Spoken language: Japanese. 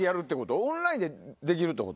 オンラインでできるってこと？